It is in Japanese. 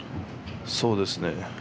そうですね。